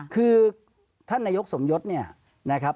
คือท่านนายกสมยศเนี่ยนะครับ